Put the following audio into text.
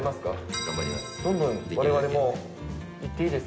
頑張ります。